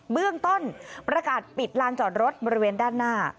เบื้องต้นประกาศปิดลานจอดรถบริเวณด้านหน้า